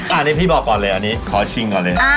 อันนี้พี่บอกก่อนเลยอันนี้ขอชิงก่อนเลย